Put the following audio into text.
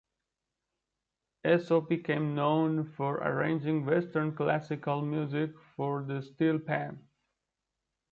Esso became known for arranging Western classical music for the steelpan.